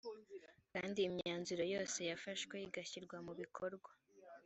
kandi imyanzuro yose yafashwe igashyirwa mu bikorwa